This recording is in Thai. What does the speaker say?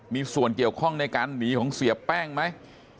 มีส่วนเกี่ยวข้องในการหนีของเสียแป้งไหม